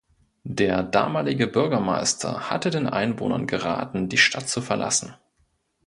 Der damalige Bürgermeister hatte den Einwohnern geraten die Stadt zu verlassen.